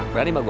berani mbak gue